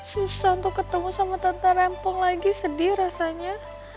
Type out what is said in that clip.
susah untuk ketemu sama tante rempong lagi sedih rasanya